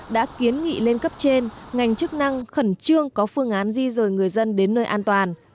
đã kiến nghị lên cấp trên ngành chức năng khẩn trương có phương án di rời người dân đến nơi an toàn